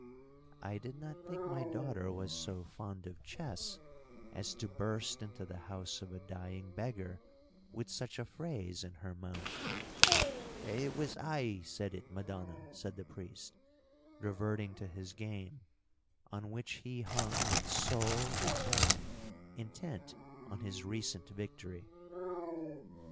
—'I did not think my daughter was so fond of chess as to burst into the house of a dying beggar with such a phrase in her mouth.'—'It was I said it, Madonna,' said the priest, reverting to his game, on which he hung with soul and eye intent on his recent victory.